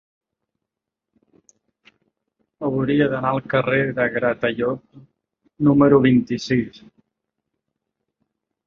Hauria d'anar al carrer de Gratallops número vint-i-sis.